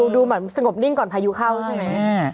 ดูเหมือนสงบนิ่งก่อนพายุเข้าใช่ไหม